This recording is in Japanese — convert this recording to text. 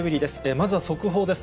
まずは速報です。